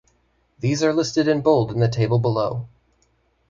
These are listed in bold in the table below.